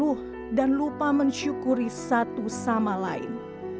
lebih meluh dan lupa mensyukuri satu sama lain